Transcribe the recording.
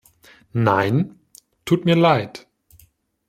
Nein, tut mir leid.